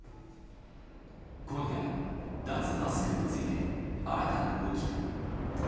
今夜、脱マスクについて新たな動きが。